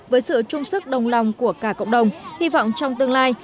với sự trung sức đồng lòng của cả cộng đồng hy vọng trong tương lai